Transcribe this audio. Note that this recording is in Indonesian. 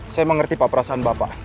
saya mengerti pak perasaan bapak